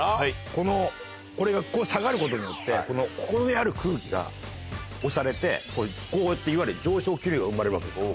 このこれが下がることによってここにある空気が押されてこうやっていわゆる上昇気流が生まれるわけですよ。